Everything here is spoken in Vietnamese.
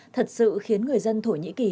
thật sự khiến người dân thổ nhĩ kỳ